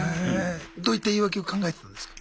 どういった言い訳を考えてたんですか？